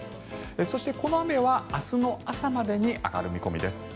そして、この雨は明日の朝までに上がる見込みです。